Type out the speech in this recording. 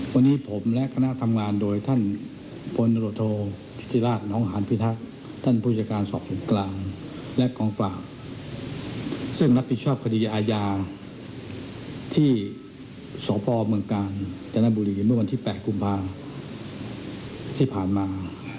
ขดีอายาที่สกบกแจนครบูรีมที่๘คุมภาจุดที่ผ่านมา